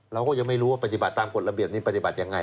เราก็ยังไม่รู้ว่าปฏิบัติตามกฎระเบียบนี้ปฏิบัติยังไง